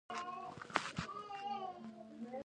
رومیان د پخلي آسانه لاره ده